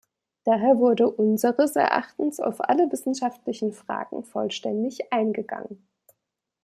Daher wurde unseres Erachtens auf alle wissenschaftlichen Fragen vollständig eingegangen.